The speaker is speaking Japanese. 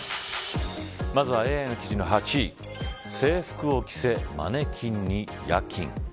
まずはＡＩの記事の８位制服を着せ、マネキンに夜勤。